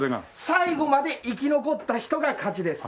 最後まで生き残った人が勝ちです。